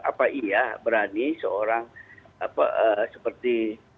apa iya berani seorang seperti